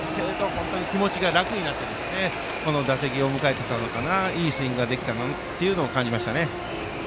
気持ちが楽になってこの打席を迎えていたのかなといいスイングができたというのを感じましたね。